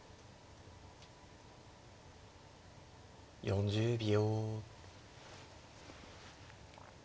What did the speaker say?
４０秒。